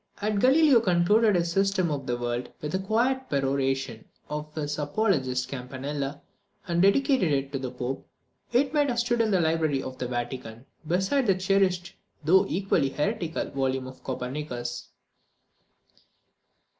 Had Galileo concluded his System of the World with the quiet peroration of his apologist Campanella, and dedicated it to the Pope, it might have stood in the library of the Vatican, beside the cherished though equally heretical volume of Copernicus.